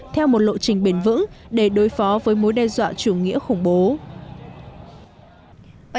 theo một lộ trình bền vững để đối phó với mối đe dọa chủ nghĩa khủng bố